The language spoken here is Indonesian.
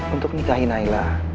untuk nikahi naila